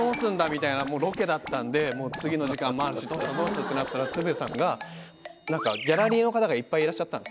みたいなもうロケだったんで次の時間もあるしどうする！ってなったら鶴瓶さんがギャラリーの方がいっぱいいらっしゃったんですよ。